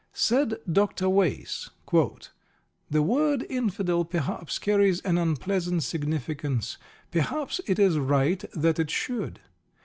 Said Dr. Wace: "The word infidel, perhaps, carries an unpleasant significance. Perhaps it is right that it should.